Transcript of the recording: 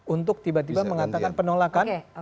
untuk tiba tiba mengatakan penolakan